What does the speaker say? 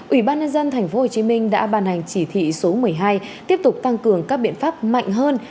ủy ban nhân dân tp hcm đã ban hành chỉ thị số một mươi hai tiếp tục tăng cường các biện pháp mạnh hơn